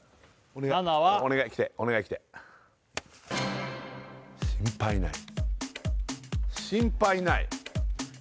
７はお願いきてお願いきて「心配ない」